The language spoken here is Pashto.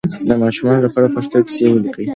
د ماشومانو لپاره پښتو کیسې ولیکئ.